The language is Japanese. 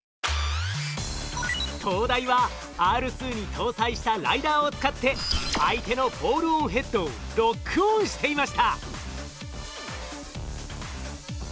東大はＲ２に搭載したライダーを使って相手のボールオンヘッドをロックオンしていました。